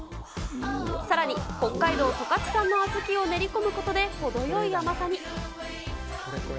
さらに、北海道十勝産の小豆を練り込むことで程よい甘さに。